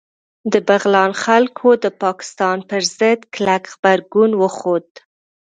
د بغلان خلکو د پاکستان پر ضد کلک غبرګون وښود